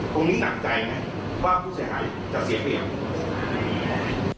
มึงนี่หนักใจไหมว่าผู้เสียหายจะเสียเปรียบ